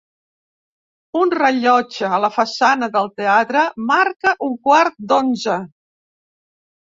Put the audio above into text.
Un rellotge a la façana del teatre marca un quart d'onze.